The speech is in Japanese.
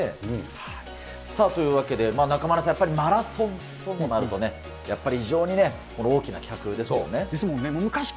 さあ、というわけで、中丸君、やっぱりマラソンともなると、やっぱり非常に大きな企画ですよね。